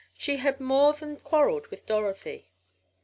She had more than quarreled with Dorothy.